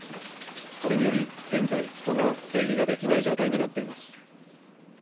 これにより現在、人の出入りができない状態になっています。